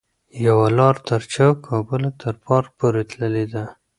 یوه لار تر چوک او بله تر پارک پورې تللې ده.